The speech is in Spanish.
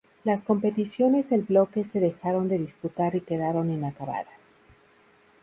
Las competiciones del "Bloque" se dejaron de disputar y quedaron inacabadas.